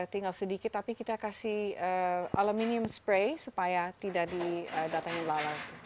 tinggal sedikit tapi kita kasih aluminium spray supaya tidak didatangi lala